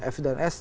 f dan s